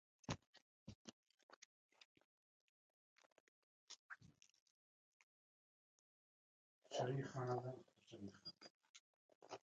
سپورټ د صحت له پاره غوره تفکیک دئ.